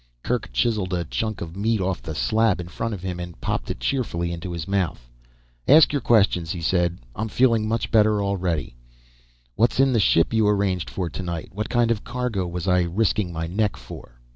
Kerk chiseled a chunk of meat off the slab in front of him and popped it cheerfully into his mouth. "Ask your questions," he said. "I'm feeling much better already." "What's in this ship you arranged for tonight what kind of a cargo was I risking my neck for?"